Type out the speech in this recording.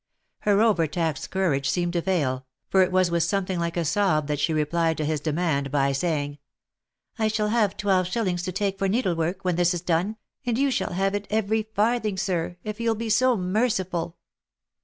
Her over taxed courage seemed to fail, for it was with something like a sob that she replied to his demand by saying, " I shall have twelve shillings to take for needlework, when this is done, and you shall have it every farthing sir, if you'll be so merciful."